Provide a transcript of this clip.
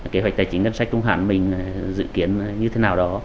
kế hoạch tài chính ngân sách trung hạn mình dự kiến như thế nào đó